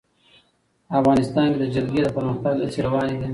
افغانستان کې د جلګه د پرمختګ هڅې روانې دي.